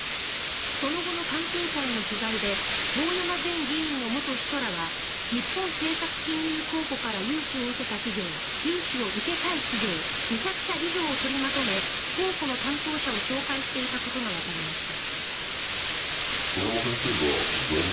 その後の関係者への取材で遠山前議員の元秘書らは日本政策金融公庫から融資を受けたい企業２００社以上を取りまとめ公庫の担当者を紹介していたことがわかりました。